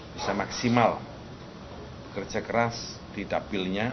bisa maksimal kerja keras di dapilnya